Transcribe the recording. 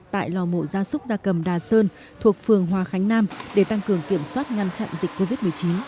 tại lò mổ gia súc gia cầm đà sơn thuộc phường hòa khánh nam để tăng cường kiểm soát ngăn chặn dịch covid một mươi chín